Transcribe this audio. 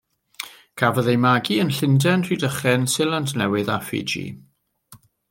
Cafodd ei magu yn Llundain, Rhydychen, Seland Newydd a Fiji.